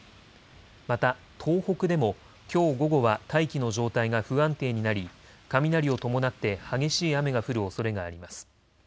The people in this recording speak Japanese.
また東北でもきょう午後は大気の状態が不安定になり雷を伴って激しい雨が降るおそれがあります。